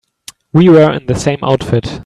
We were in the same outfit.